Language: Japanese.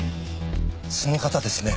その方ですね